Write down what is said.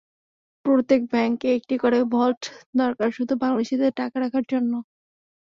প্রত্যেক ব্যাংকে একটি করে ভল্ট দরকার শুধু বাংলাদেশিদের টাকা রাখার জন্য।